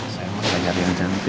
saya mah gak nyari yang cantik